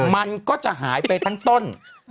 มันก็จะหายไปทั้งต้น